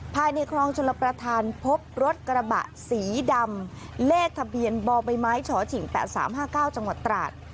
ภายในคลองชุลประทานพบรถกระบะสีดำเลขทะเบียนบอลใบไม้ฉอถิ่งแปะสามห้าเก้าจังหวัดตราด